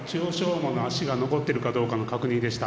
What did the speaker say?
馬の足が残っているかどうかの確認でした。